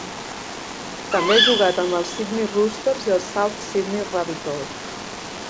També ha jugat amb els Sydney Roosters i els South Sydney Rabbitohs.